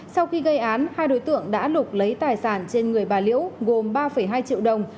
sau khi gây án hai đối tượng đã nộp lấy tài sản trên người bà liễu gồm ba hai triệu đồng